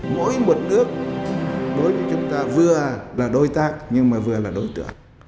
mỗi một nước đối với chúng ta vừa là đối tác nhưng mà vừa là đối trưởng